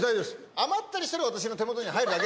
余ったりしたら私の手元に入るだけで。